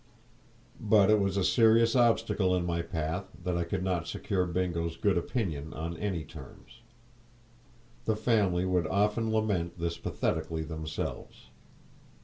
But it was a serious obstacle in my path that I could not secure Bingo's good opinion on any terms. The family would often lament this pathetically themselves.